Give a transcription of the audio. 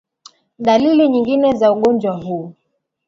Dalili nyingine za ugonjwa huu